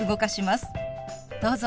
どうぞ。